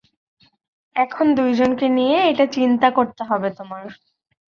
এখন দুইজনকে নিয়ে এটা চিন্তা করতে হবে তোমার।